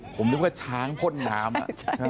ผมนึกว่าช้างพ่นน้ำ